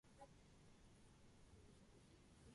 After "Bad Moon Rising", Bert quit the group.